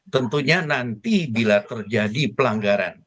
tentunya nanti bila terjadi pelanggaran